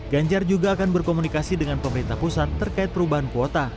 ganjar juga akan berkomunikasi dengan pemerintah pusat terkait perubahan kuota